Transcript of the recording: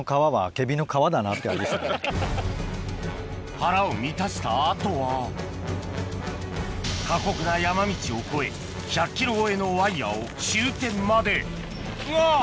腹を満たした後は過酷な山道を越え１００ｋｇ超えのワイヤを終点までが！